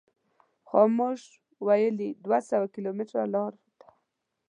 خاموش ویلي دوه سوه کیلومتره لار ده.